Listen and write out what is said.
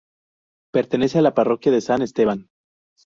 Pertenece a la parroquia de San Esteban.